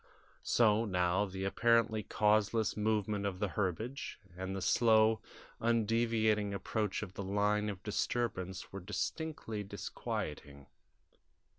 So now the apparently causeless movement of the herbage, and the slow, undeviating approach of the line of disturbance were distinctly disquieting.